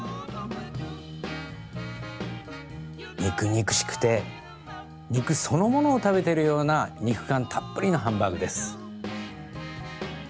肉肉しくて肉そのものを食べているような肉感たっぷりのハンバーグです。